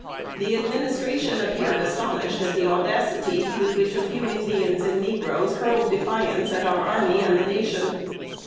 The Administration appeared astonished at the audacity with which a few Indians and negroes hurled defiance at our army and the nation.